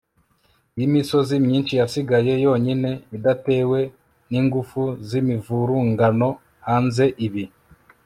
y'imisozi myinshi yasigaye yonyine, idatewe n'ingufu z'imivurungano hanze. ibi